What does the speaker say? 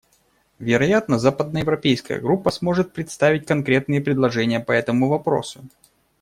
Вероятно, Западноевропейская группа сможет представить конкретные предложения по этому вопросу.